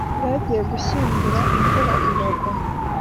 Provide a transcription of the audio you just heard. Bagiye gushyingura imvura iragwa